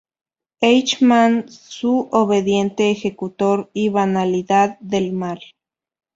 Eichmann, su obediente ejecutor y banalidad del mal".